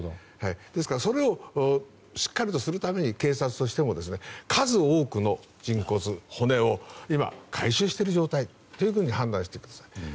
ですから、それをしっかりとするために警察としても数多くの人骨、骨を今、回収している状態と判断してください。